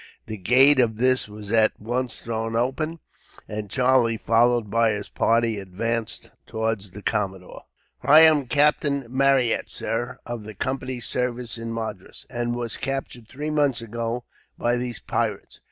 The gate of this was at once thrown open, and Charlie, followed by his party, advanced towards the commodore. "I am Captain Marryat, sir, of the Company's service in Madras; and was captured three months ago by these pirates.